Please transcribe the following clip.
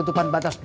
oh trainnya timing